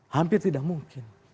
hampir tidak mungkin